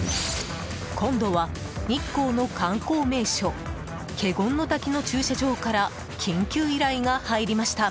今度は、日光の観光名所華厳の滝の駐車場から緊急依頼が入りました。